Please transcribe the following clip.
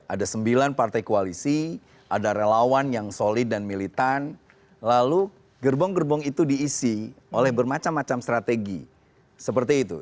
ada sembilan partai koalisi ada relawan yang solid dan militan lalu gerbong gerbong itu diisi oleh bermacam macam strategi seperti itu